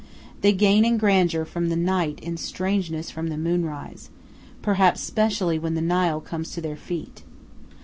They gain in grandeur from the night in strangeness from the moonrise, perhaps specially when the Nile comes to their feet.